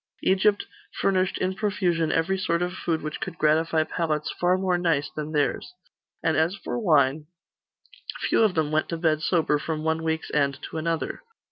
Egypt furnished in profusion every sort of food which could gratify palates far more nice than theirs. And as for wine few of them went to bed sober from one week's end to another.